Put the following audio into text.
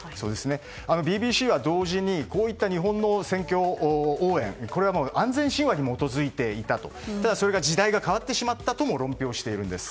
ＢＢＣは同時にこういった日本の選挙応援は安全神話に基づいていたとそれが時代が変わってしまったとも論評しているんです。